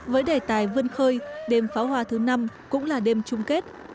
với đề tài vươn khơi đêm pháo hoa thứ năm cũng là đêm chung kết